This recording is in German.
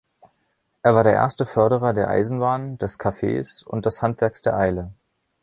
Er war der erste Förderer der Eisenbahn, des Kaffees und des Handwerks der Eile.